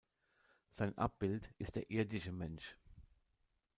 Sein Abbild ist der irdische Mensch.